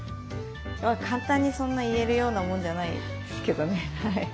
簡単にそんな言えるようなもんじゃないですけどね。